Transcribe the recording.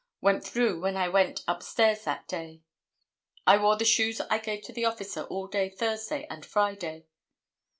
Went through when I went up stairs that day. I wore the shoes I gave to the officer all day Thursday and Friday."